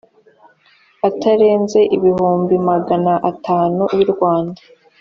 atarenze ibihumbi magana atanu y’u rwanda